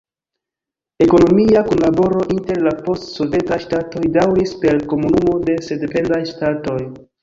Ekonomia kunlaboro inter la post-sovetaj ŝtatoj daŭris per Komunumo de Sendependaj Ŝtatoj.